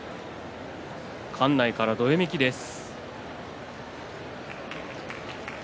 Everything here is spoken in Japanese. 館内からどよめきです。